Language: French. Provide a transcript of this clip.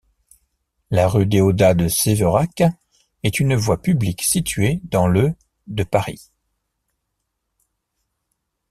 La rue Déodat-de-Séverac est une voie publique située dans le de Paris.